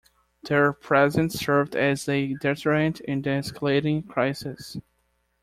Their presence served as a deterrent in the escalating crisis.